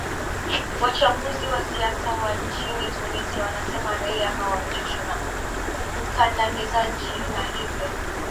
wachambuzi wa siasa wa nchini tunisia wanasema raia hao wamechoshwa na ukandamizaji na hivyo